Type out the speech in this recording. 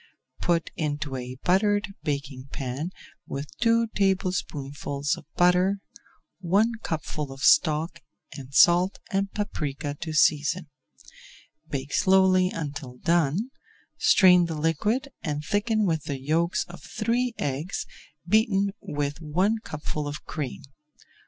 Put into a buttered baking pan with two tablespoonfuls of butter, one cupful of stock and salt and paprika to season. Bake slowly until done, strain the liquid and thicken with the yolks of three eggs beaten with one cupful of cream.